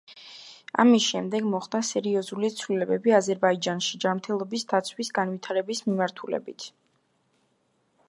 ამის შემდეგ მოხდა სერიოზული ცვლილებები აზერბაიჯანში ჯანმრთელობის დაცვის განვითარების მიმართულებით.